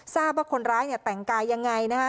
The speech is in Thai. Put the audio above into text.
ทราบว่าคนร้ายเนี่ยแต่งกายยังไงนะฮะ